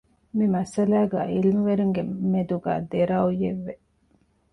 މި މައްސަލާގައި ޢިލްމުވެރިންގެ މެދުގައި ދެ ރައުޔެއްވެ